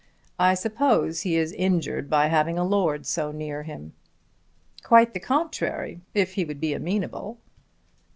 I suppose he is injured by having a lord so near him." "Quite the contrary if he would be amenable."